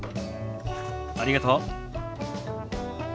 ありがとう。